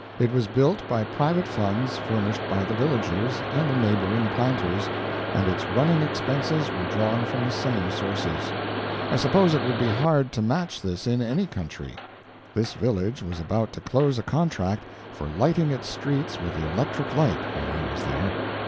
It was built by private funds furnished by the villagers and the neighboring planters, and its running expenses were drawn from the same sources. I suppose it would be hard to match this in any country. This village was about to close a contract for lighting its streets with the electric light, when I was there.